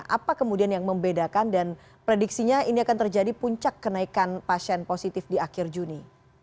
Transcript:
apa kemudian yang membedakan dan prediksinya ini akan terjadi puncak kenaikan pasien positif di akhir juni